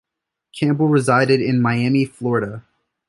Campbell resided in Miami, Florida.